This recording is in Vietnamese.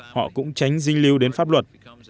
họ cũng tránh dinh lưu đến pháp luật